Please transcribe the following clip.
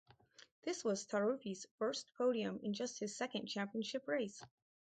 This was Taruffi's first podium in just his second championship race.